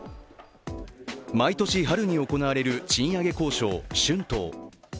毎年春に行われる賃上げ交渉、春闘。